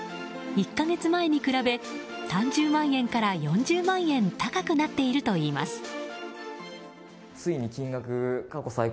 １か月前に比べ３０万円から４０万円高くなっているといいます。